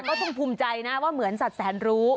ก็ต้องภูมิใจนะว่าเหมือนสัตว์แสนรู้